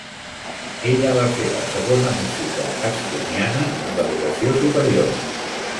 Ella va ser la segona música estoniana amb educació superior.